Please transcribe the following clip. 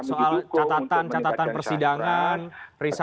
soal catatan catatan persidangan riset